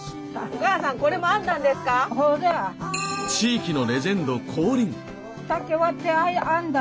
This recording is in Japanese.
地域のレジェンド降臨！